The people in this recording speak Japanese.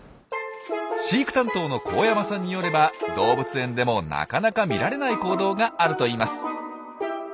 飼育担当の光山さんによれば動物園でもなかなか見られない行動があるといいます。